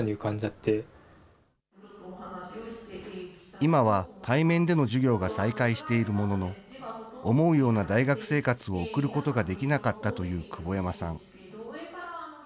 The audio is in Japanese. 今は対面での授業が再開しているものの、思うような大学生活を送ることができなかったという久保山さん。